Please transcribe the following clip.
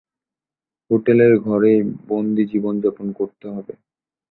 হোটেলের ঘরেই বন্দি জীবন-যাপন করতে হবে।